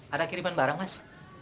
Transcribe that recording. ada kiriman barang mas